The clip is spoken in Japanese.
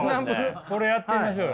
これやってみましょうよ。